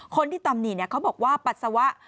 คนที่ตำหนิเขาบอกว่าปัสสาวะ